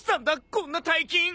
こんな大金。